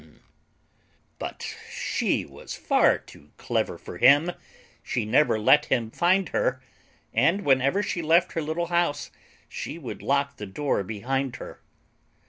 But she was far too clever for him, She never let him find her, And whenever she left her little house She would lock the door behind her.